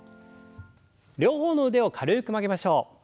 両方の腕を軽く曲げましょう。